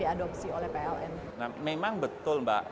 diadopsi oleh pln memang betul mbak